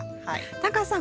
タカさん